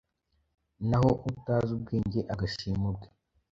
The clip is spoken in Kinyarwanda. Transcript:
naho utazi ubwenge agashima ubwe.